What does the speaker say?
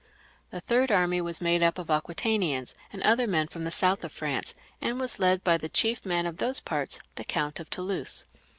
The third army was made up of Aquitanians and other men from the south of France, and was led by the chief man of those parts, the Count of Toulouse.